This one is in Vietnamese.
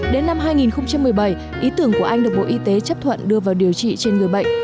đến năm hai nghìn một mươi bảy ý tưởng của anh được bộ y tế chấp thuận đưa vào điều trị trên người bệnh